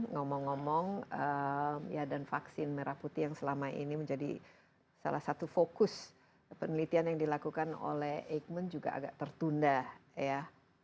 ngomong ngomong ya dan vaksin merah putih yang selama ini menjadi salah satu fokus penelitian yang dilakukan oleh eijkman juga agak tertunda ya